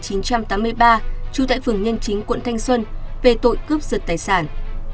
trú tại phường nhân chính quận thanh xuân về tội cướp giật tài sản